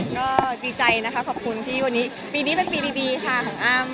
ก็ดีใจนะคะขอบคุณที่วันนี้ปีนี้เป็นปีดีค่ะของอ้ำ